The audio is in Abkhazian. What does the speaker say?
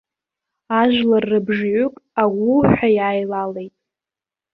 Ажәлар рыбжаҩык аууҳәа иааилалеит.